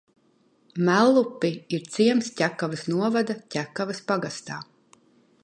Mellupi ir ciems Ķekavas novada Ķekavas pagastā.